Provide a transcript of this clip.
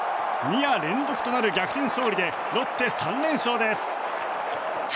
２夜連続となる逆転勝利でロッテ、３連勝です。